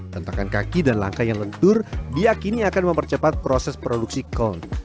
tentakan kaki dan langkah yang lentur diakini akan mempercepat proses produksi kol